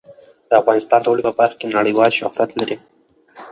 افغانستان د اوړي په برخه کې نړیوال شهرت لري.